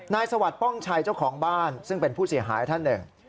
สวัสดิ์ป้องชัยเจ้าของบ้านซึ่งเป็นผู้เสียหายท่านหนึ่ง